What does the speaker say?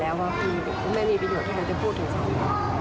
ไม่ต้องรับทิศชอบดีกว่าเธอจะพูดถูกสักคำ